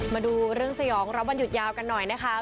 มาดูเรื่องสยองรับวันหยุดยาวกันหน่อยนะคะ